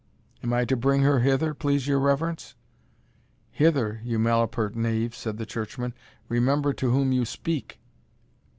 "Am I to bring her hither, please your reverence?" "Hither, you malapert knave?" said the churchman; "remember you to whom you speak?"